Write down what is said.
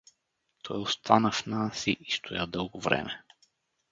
Той остана в Нанси и стоя дълго време.